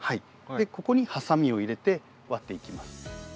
ここにハサミを入れて割っていきます。